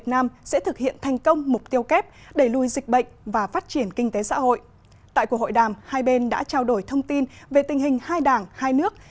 tại cuộc hội đàm hai bên đã trao đổi thông tin về tình hình hai đảng hai nước